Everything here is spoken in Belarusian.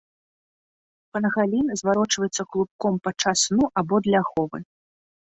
Пангалін зварочваецца клубком падчас сну або для аховы.